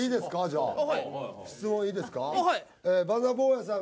じゃあ質問いいですか？